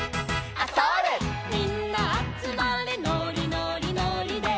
「みんなあつまれのりのりのりで」